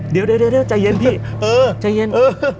เดี๋ยวเดี๋ยวเดี๋ยวใจเย็นพี่เออใจเย็นเออ